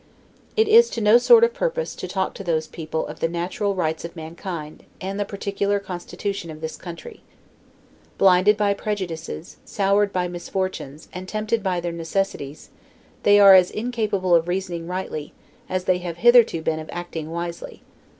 It is to no sort of purpose to talk to those people of the natural rights of mankind, and the particular constitution of this country. Blinded by prejudices, soured by misfortunes, and tempted by their necessities, they are as incapable of reasoning rightly, as they have hitherto been of acting wisely.